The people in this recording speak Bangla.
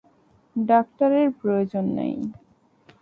ডাক্তারের প্রয়োজন নেই।